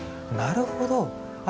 なるほど。